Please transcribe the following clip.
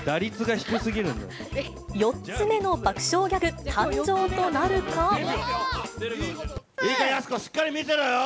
４つ目の爆笑ギャグ、誕生といいか、やす子、しっかり見てろよ。